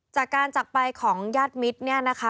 จากการจักรไปของญาติมิตรเนี่ยนะคะ